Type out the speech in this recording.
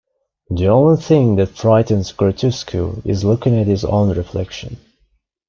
The only thing that frightens Grotusque is looking at his own reflection.